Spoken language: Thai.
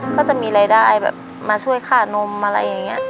ก็จะมีรายได้แบบมาช่วยค่านมอะไรอย่างนี้